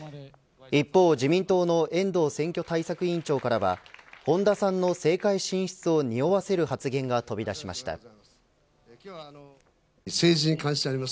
一方、自民党の遠藤選挙対策委員長からは本田さんの政界進出を匂わせる発言が飛び出しました。